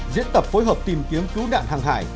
diễn tập phối hợp tìm kiếm cứu nạn hàng hải